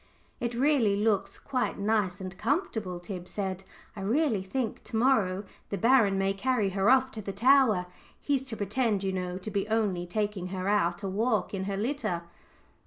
"It really looks quite nice and comfortable," Tib said. "I really think to morrow the baron may carry her off to the tower he's to pretend, you know, to be only taking her out a walk in her litter."